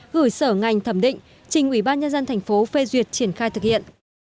gửi sở ngành thẩm định trình ủy ban nhân dân tp hcm phê duyệt triển khai thực hiện